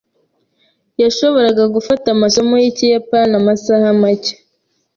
Yashoboraga gufata amasomo yikiyapani amasaha make.